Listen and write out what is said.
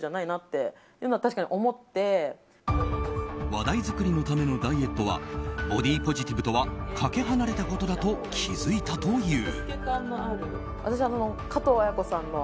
話題作りのダイエットはボディーポジティブとはかけ離れたことだと気付いたという。